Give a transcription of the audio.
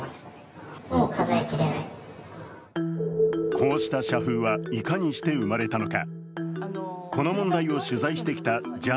こうした社風はいかにして生まれたのか。